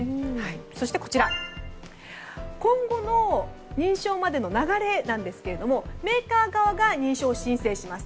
そして今後の認証までの流れですがメーカー側が認証を申請します。